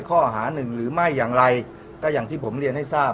ข้อหาหนึ่งหรือไม่อย่างไรก็อย่างที่ผมเรียนให้ทราบ